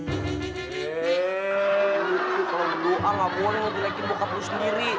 eh bi kalo lo alah boleh lo dilekin bokap lo sendiri